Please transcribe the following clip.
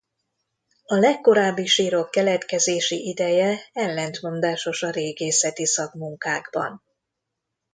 A legkorábbi sírok keletkezési ideje ellentmondásos a régészeti szakmunkákban.